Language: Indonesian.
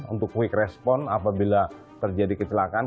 untuk quick respon apabila terjadi kecelakaan